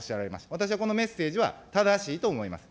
私はこのメッセージは正しいと思います。